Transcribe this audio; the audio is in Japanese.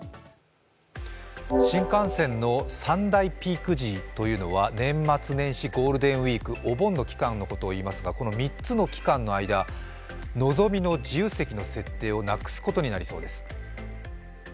新幹線の三大ピーク時というのは年末、年始、ゴールデンウイーク、お盆の期間のことを言いますが、この３つの期間の間、のぞみの自由席の設定をなくすことにしました。